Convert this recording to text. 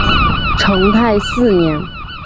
成泰四年。